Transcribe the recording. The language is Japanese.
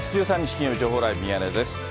金曜日、情報ライブミヤネ屋です。